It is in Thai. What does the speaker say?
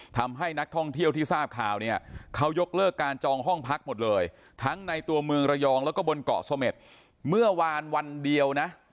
ทำให้นักท่องเที่ยวที่ทราบข่าวเนี่ย